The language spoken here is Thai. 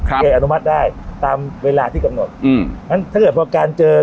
เคยอนุมัติได้ตามเวลาที่กำหนดอืมงั้นถ้าเกิดพอการเจอ